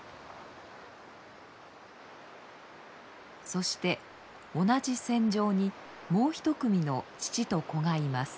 そして同じ戦場にもう一組の父と子がいます。